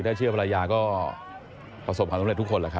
ถ้าเชื่อพละยาก็ประสบของสำเร็จทุกคน